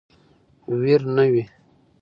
ویر نه وي.